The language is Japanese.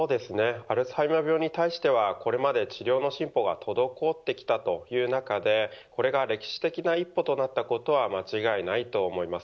アルツハイマー病に対してはこれまで、治療の進歩が滞ってきたという中でこれが歴史的な一歩となったことは間違いないと思います。